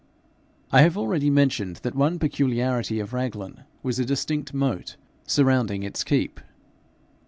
I have already mentioned that one peculiarity of Raglan was a distinct moat surrounding its keep.